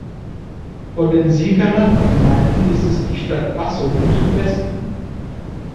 Von den Syker Nachbargemeinden ist es die Stadt Bassum im Südwesten.